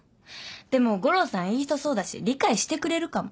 でも悟郎さんいい人そうだし理解してくれるかも。